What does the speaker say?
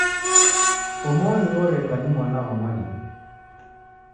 Omoni oreka ni mwana wa mwalimu.